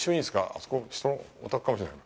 あそこ、そのお宅かもしれない。